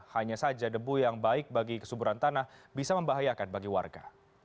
hanya saja debu yang baik bagi kesuburan tanah bisa membahayakan bagi warga